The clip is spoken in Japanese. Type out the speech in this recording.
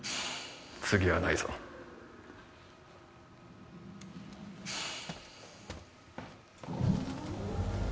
次はないぞえっ